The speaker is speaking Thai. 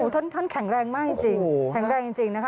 ท่านแข็งแรงมากจริงแข็งแรงจริงนะคะ